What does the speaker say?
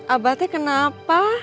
abah tuh kenapa